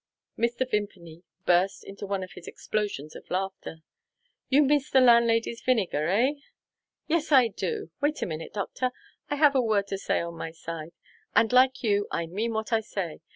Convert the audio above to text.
Mr. Vimpany burst into one of his explosions of laughter. "You miss the landlady's vinegar eh?" "Yes, I do! Wait a minute, doctor; I have a word to say on my side and, like you, I mean what I say.